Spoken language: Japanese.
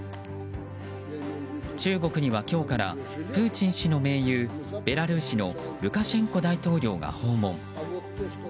中国には今日からプーチン氏の盟友ベラルーシのルカシェンコ大統領が訪問。